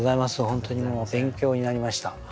本当にもう勉強になりました。